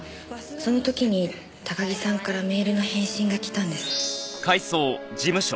その時に高木さんからメールの返信が来たんです。